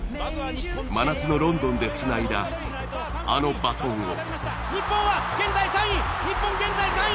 真夏のロンドンでつないだ、あのバトンを。